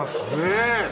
ねえ。